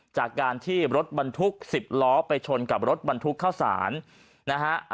จากการที่รถบันทุกข์สิบล้อไปชนกับรถบันทุกข์เข้าสาน